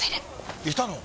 いたの？